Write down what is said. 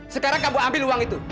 sekarang kamu ambil uang itu